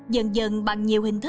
dần dần bằng nhiều hình thức